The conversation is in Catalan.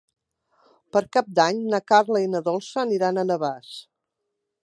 Per Cap d'Any na Carla i na Dolça aniran a Navàs.